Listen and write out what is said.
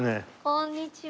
こんにちは。